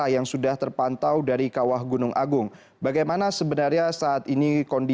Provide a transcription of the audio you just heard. yang lebih baik